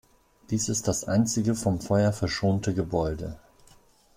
Dies ist das einzige vom Feuer verschonte Gebäude.